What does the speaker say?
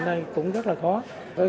ở đây cũng rất là khó